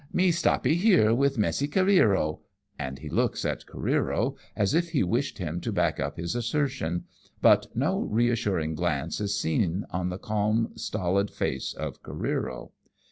Me stopee here with Messee Careero ;" and he looks at CareerOj as if he wished him to back up his assertion, but no reassuring glance is seen on the calm, stolid face of Careero.